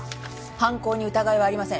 犯行に疑いはありません。